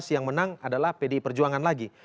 dua ribu empat belas yang menang adalah pdi perjuangan lagi